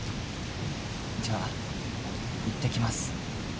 じゃあいってきます。